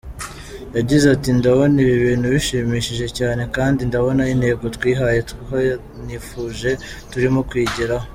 Yagize ati: “Ndabona ibintu bishimishije cyane kandi ndabona intego twihaye twanifuje turimo tuyigeraho.